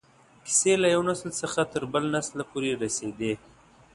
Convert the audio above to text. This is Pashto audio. کیسې له یو نسل څخه تر بل نسله پورې رسېدې.